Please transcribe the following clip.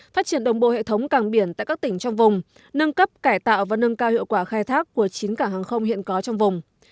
phát triển đồng bộ hệ thống càng biển tại các tỉnh trong vùng